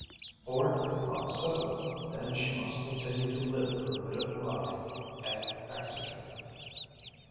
Or if not so, then she must continue to live her widowed life at Exeter.